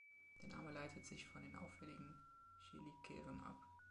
Der Name leitet sich von den auffälligen Cheliceren ab.